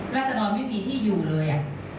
ราษฎรไม่มีที่อยู่เลยอะ